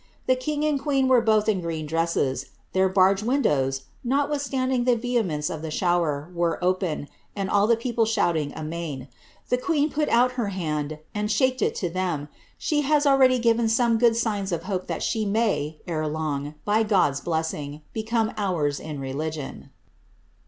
The king and queen were both in green dresses ; their barge windows, notwithstanding the vehemence of the shower, were open, and all the people shouting amain. The queen put out her hand, and shaked it to them. She hath already given some good signs of hope that she may, ere long, by God's blessing, become ours in religion."